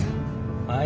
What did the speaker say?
はい。